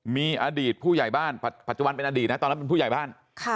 มีอดีตผู้ใหญ่บ้านปัจจุบันเป็นอดีตนะตอนนั้นเป็นผู้ใหญ่บ้าน